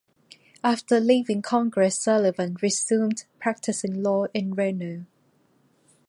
After leaving Congress Sullivan resumed practicing law in Reno.